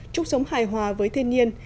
chúc sống hài hòa với thiên nhiên